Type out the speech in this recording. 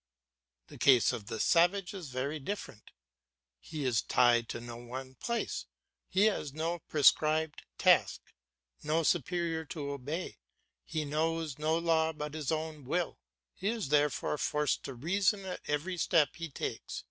The case of the savage is very different; he is tied to no one place, he has no prescribed task, no superior to obey, he knows no law but his own will; he is therefore forced to reason at every step he takes.